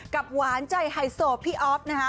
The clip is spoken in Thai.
กับหวานใจไฮโซพี่ออฟนะฮะ